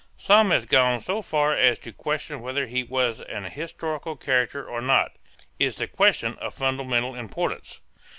Some have gone so far as to question whether he was an historical character or not. Is the question of fundamental importance?